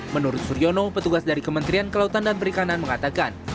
menurut suryono petugas dari kementerian kelautan dan perikanan mengatakan